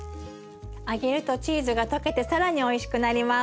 揚げるとチーズが溶けて更においしくなります。